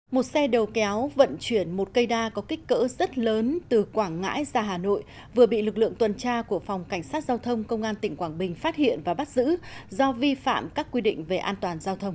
một xe đầu kéo vận chuyển một cây đa có kích cỡ rất lớn từ quảng ngãi ra hà nội vừa bị lực lượng tuần tra của phòng cảnh sát giao thông công an tỉnh quảng bình phát hiện và bắt giữ do vi phạm các quy định về an toàn giao thông